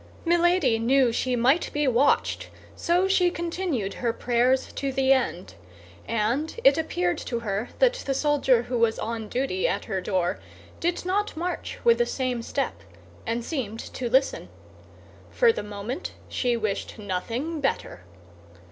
Milady knew she might be watched, so she continued her prayers to the end; and it appeared to her that the soldier who was on duty at her door did not march with the same step, and seemed to listen. For the moment she wished nothing better.